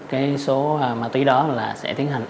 cái số ma túy đó là sẽ tiến hành